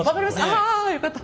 ああよかった。